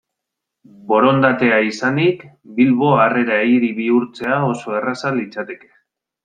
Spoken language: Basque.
Borondatea izanik, Bilbo Harrera Hiri bihurtzea oso erraza litzateke.